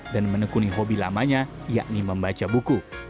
dan menekuni hobi lamanya yakni membaca buku